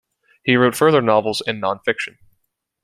He wrote further novels and non-fiction.